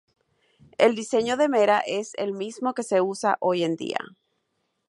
El diseño de Mera es el mismo que se usa hoy en día.